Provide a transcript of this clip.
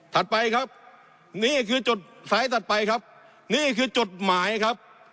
ไปครับนี่คือจดสายถัดไปครับนี่คือจดหมายครับ